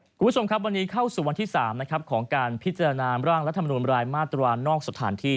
คุณผู้ชมครับวันนี้เข้าสู่วันที่๓นะครับของการพิจารณาร่างรัฐมนุนรายมาตรานอกสถานที่